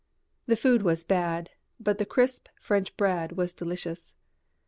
The food was bad, but the crisp French bread was delicious.